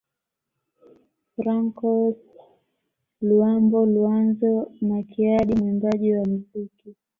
Francois Luambo Luanzo Makiadi mwimbaji wa mziki